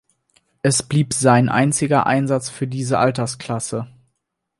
Es blieb sein einziger Einsatz für diese Altersklasse.